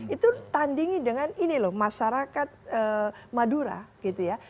itu tandingi dengan ini loh masyarakat madura gitu ya